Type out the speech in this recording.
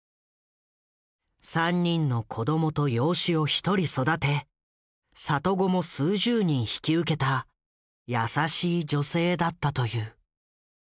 ３人の子供と養子を１人育て里子も数十人引き受けた優しい女性だったという。